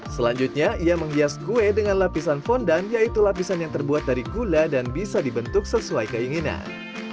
selanjutnya ia menghias kue dengan lapisan fondan yaitu lapisan yang terbuat dari gula dan bisa dibentuk sesuai keinginan